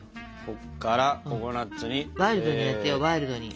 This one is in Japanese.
こっからココナツに。